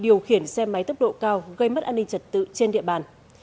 điều khiển xe máy tốc độ cao gây mất an ninh trật tự trên địa bàn